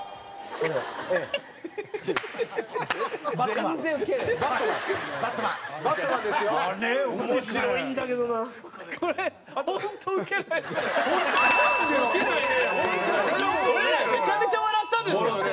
俺らめちゃめちゃ笑ったんですけどね。